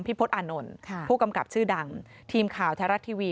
พี่พดอ่านนท์ค่ะผู้กำกลับชื่อดังทีมข่าวไทยรัฐทีวี